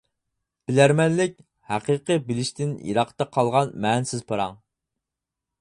بىلەرمەنلىك-ھەقىقىي بىلىشتىن يىراقتا قالغان مەنىسىز پاراڭ.